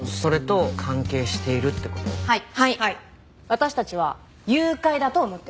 私たちは誘拐だと思ってる。